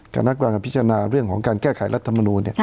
คณะกรรมการพิจารณาเรื่องของการแก้ไขรัฐมนูล